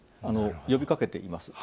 呼びかけています。